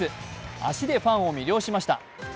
足でファンを魅了しました。